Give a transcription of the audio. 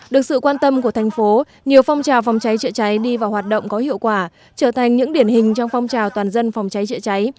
được sự quan tâm của thành phố nhiều phong trào phòng cháy chữa cháy đi vào hoạt động có hiệu quả trở thành những điển hình trong phong trào toàn dân phòng cháy chữa cháy